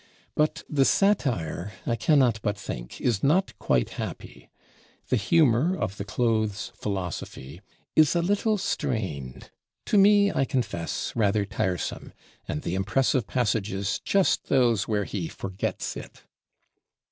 But the satire, I cannot but think, is not quite happy. The humor of the "Clothes Philosophy" is a little strained; to me, I confess, rather tiresome: and the impressive passages just those where he forgets it.